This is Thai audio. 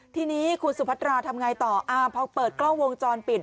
ทีนี้คุณสุพัตราทำไงต่อพอเปิดกล้องวงจรปิด